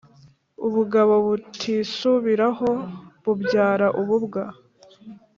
Ubugabo butisubiraho bubyara ububwa.